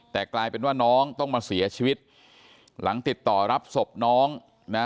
แต่กลายเป็นว่าน้องต้องมาเสียชีวิตหลังติดต่อรับศพน้องนะ